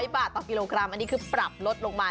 บาทต่อกิโลกรัมอันนี้คือปรับลดลงมา